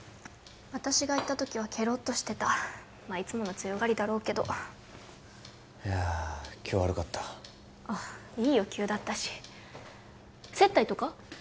私が行った時はケロッとしてたまあいつもの強がりだろうけどいや今日は悪かったあいいよ急だったし接待とか？